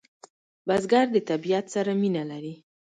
بزګر د طبیعت سره مینه لري